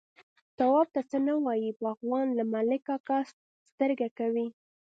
_تواب ته څه نه وايي، باغوان، له ملک کاکا سترګه کوي.